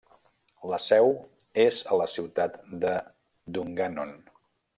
La seu és a la ciutat de Dungannon.